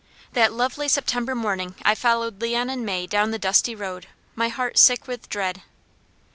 That lovely September morning I followed Leon and May down the dusty road, my heart sick with dread.